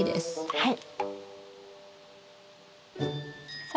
はい。